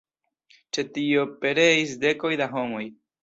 Ĉe tio pereis dekoj da homoj.